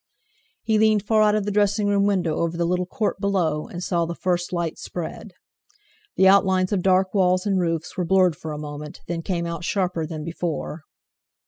He leaned far out of the dressing room window over the little court below, and saw the first light spread. The outlines of dark walls and roofs were blurred for a moment, then came out sharper than before.